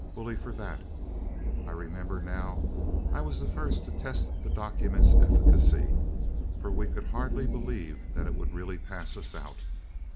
Bully for that! [I remember now, I was the first to test the document's efficacy, for we could hardly believe that it would really pass us out.